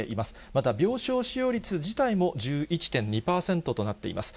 また病床使用率自体も１１．２％となっています。